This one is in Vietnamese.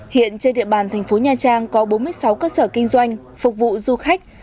hiện trên địa bàn thành phố nha trang có bốn mươi sáu cơ sở kinh doanh phục vụ du khách